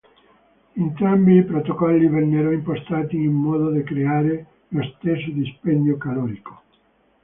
Entrambi i protocolli vennero impostati in modo da creare lo stesso dispendio calorico.